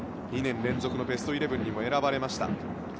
２年連続のベストイレブンにも選ばれました。